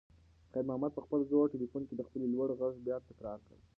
خیر محمد په خپل زوړ تلیفون کې د خپلې لور غږ بیا تکرار کړ.